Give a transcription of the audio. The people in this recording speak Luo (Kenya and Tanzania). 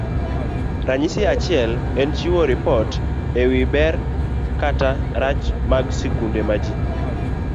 Ranyisi achiel en chiwo ripot e wi ber kata rach mag skunde ma ji